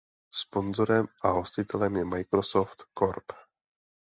Sponzorem a hostitelem je Microsoft Corp..